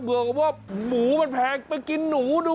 พูดด้วยว่าหมูแพงต่อไปกินนาที